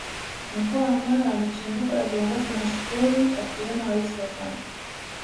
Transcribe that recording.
Mkoa wa Mara ni chimbuko la Viongozi mashuhuri akiwemo Rais wa kwanza